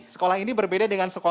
sekolah ini berbeda dengan sekolah